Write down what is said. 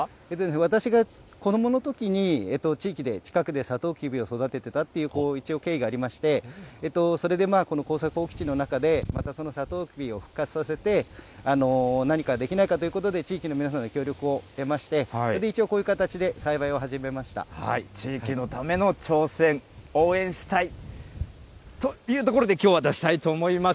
私が子どものときに、地域で、近くでさとうきびを育ててたっていう、一応、経緯がありまして、それでこの耕作放棄地の中で、またそのさとうきびを復活させて、何かできないかということで、地域の皆さんの協力を得まして、それで一応、こういう形で栽培を始地域のための挑戦、応援したい。というところで、きょうは出したいと思います。